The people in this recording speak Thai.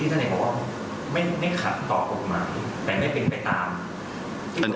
ที่ท่านเห็นว่าไม่ขัดต่อกลุ่มมาแต่ไม่เป็นไปตาม